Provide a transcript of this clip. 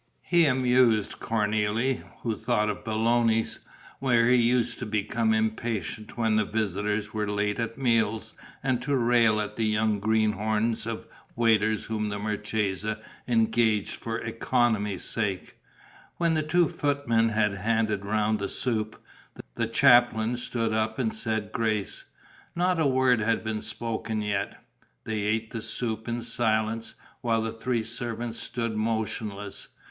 He amused Cornélie, who thought of Belloni's, where he used to become impatient when the visitors were late at meals and to rail at the young greenhorns of waiters whom the marchesa engaged for economy's sake. When the two footmen had handed round the soup, the chaplain stood up and said grace. Not a word had been spoken yet. They ate the soup in silence, while the three servants stood motionless.